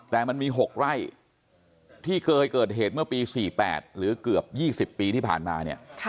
แต่มันมี๖ไร่ที่เคยเกิดเหตุเมื่อปี๔๘หรือเกือบ๒๐ปีที่ผ่านมาเนี่ย